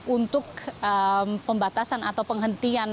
untuk pembatasan atau penghentian